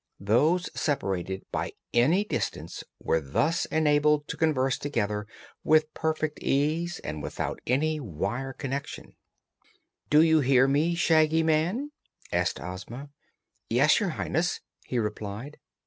Those separated by any distance were thus enabled to converse together with perfect ease and without any wire connection. "Do you hear me, Shaggy Man?" asked Ozma. "Yes, Your Highness," he replied.